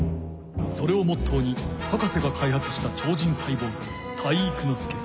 それをモットーに博士がかいはつした超人サイボーグ体育ノ介。